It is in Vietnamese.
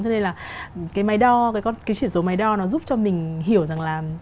cho nên là cái máy đo cái chỉ số máy đo nó giúp cho mình hiểu rằng là